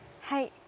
はい。